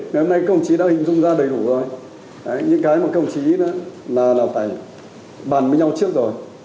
ngày hôm nay công chí đã hình dung ra đầy đủ rồi những cái mà công chí đã bàn với nhau trước rồi